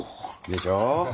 でしょ？